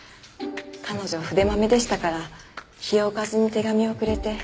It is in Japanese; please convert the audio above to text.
彼女筆まめでしたから日を置かずに手紙をくれて。